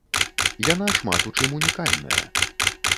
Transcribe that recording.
Яна шмат у чым унікальная.